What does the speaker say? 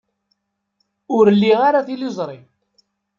Ur liɣ ara tiliẓri.